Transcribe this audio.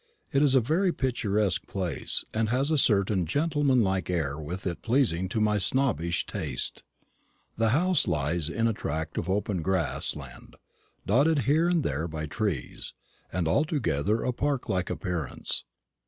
It is a very picturesque place, and has a certain gentlemanlike air with it pleasing to my snobbish taste. The house lies in a tract of open grass land, dotted here and there by trees, and altogether of a park like appearance.